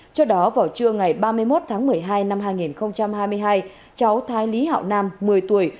trước đó vào trưa ngày ba mươi một tháng một mươi hai năm hai nghìn hai mươi hai cháu thai lý hạo nam một mươi tuổi